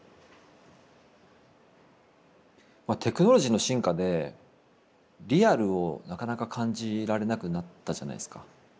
まあテクノロジーの進化でリアルをなかなか感じられなくなったじゃないっすか。